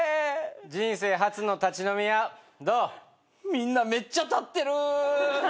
みんなめっちゃ立ってる。